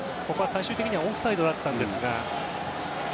最終的にはオフサイドだったんですが。